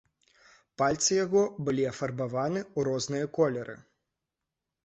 Пальцы яго былі афарбаваны ў розныя колеры.